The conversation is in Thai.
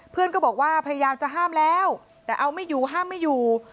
เพื่อนก็บอกว่าพยายามจะห้ามแล้วแต่เอาไม่อยู่ห้ามไม่อยู่